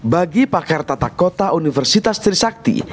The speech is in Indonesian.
bagi pakar tata kota universitas trisakti